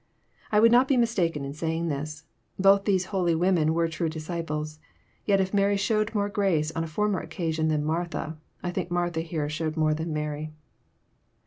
I would not be mistaken in saying this. Both these holy women were true disciples; yet if Mary showed more grace on a former occasion than Martha, I think Martha here showed more than Mary.